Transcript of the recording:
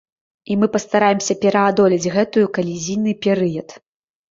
І мы пастараемся пераадолець гэтую калізійны перыяд.